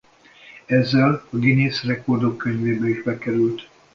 Ezzel a Guinness Rekordok Könyvébe is bekerült.